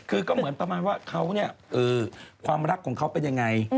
คือก็เหมือนประมาณว่าเขาเนี่ยความรักของเขาเป็นยังไง